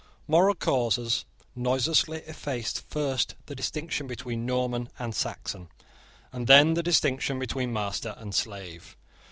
Moral causes noiselessly effaced first the distinction between Norman and Saxon, and then the distinction between master and slave.